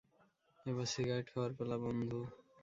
এবার সিগারেট খাওয়ার পালা, বন্ধু।